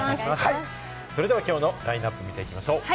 それでは今日のラインナップを見ていきましょう。